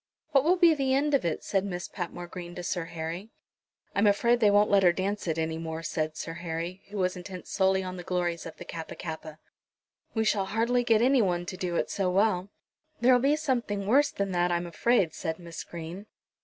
"What will be the end of it?" said Miss Patmore Green to Sir Harry. "I am afraid they won't let her dance it any more," said Sir Harry, who was intent solely on the glories of the Kappa kappa. "We shall hardly get any one to do it so well." "There'll be something worse than that, I'm afraid," said Miss Green.